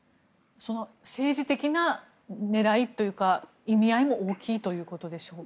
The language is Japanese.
政治的な狙いというか意味合いも大きいということでしょうか。